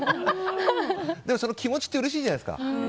でも、その気持ちってうれしいじゃないですか。